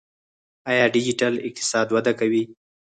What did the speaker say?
آیا ډیجیټل اقتصاد وده کوي؟